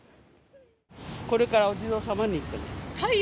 これからお地蔵様に行くの。